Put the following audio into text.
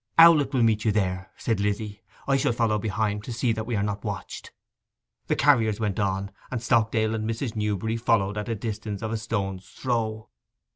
'Owlett will meet you there,' added Lizzy. 'I shall follow behind, to see that we are not watched.' The carriers went on, and Stockdale and Mrs. Newberry followed at a distance of a stone's throw.